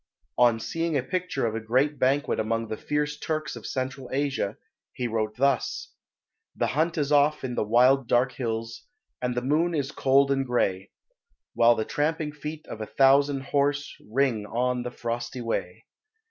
On seeing a picture of a great banquet among the fierce Turks of Central Asia, he wrote thus "The hunt is off in the wild dark hills, And the moon is cold and gray, While the tramping feet of a thousand horse Ring on the frosty way.